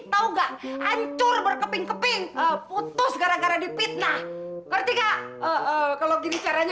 tahu nggak hancur berkeping keping putus gara gara dipitnah ketika kalau gini caranya